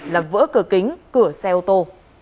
làm vỡ cửa kính cửa xe ô tô